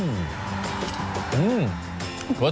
ได้เลยครับ